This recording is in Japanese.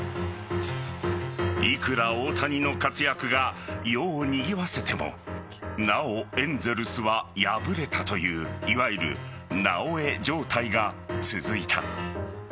いくら大谷の活躍が世をにぎわせてもなおエンゼルスは敗れたといういわゆる、なおエ状態が続いた。